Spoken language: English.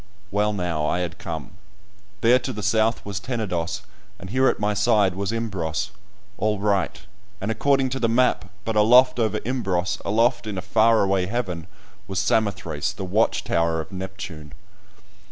Well, now I had come; there to the south was Tenedos, and here at my side was Imbros, all right, and according to the map, but aloft over Imbros, aloft in a far away heaven, was Samothrace, the watch tower of Neptune!